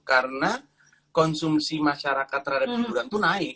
karena konsumsi masyarakat terhadap hiburan tuh naik